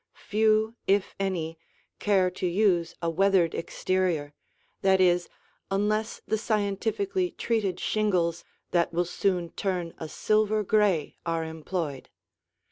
Few, if any, care to use a weathered exterior, that is, unless the scientifically treated shingles that will soon turn a silver gray are employed.